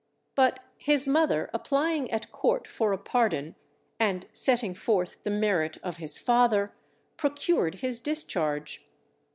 But his mother applying at Court for a pardon, and setting forth the merit of his father, procured his discharge.